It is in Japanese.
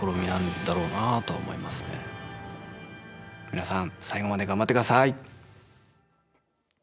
皆さん、最後まで頑張ってください。